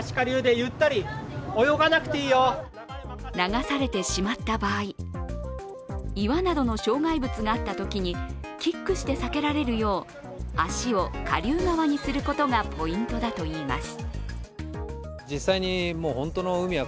流されてしまった場合、岩などの障害物があったときにキックして避けられるよう、足を下流側にすることがポイントだといいます。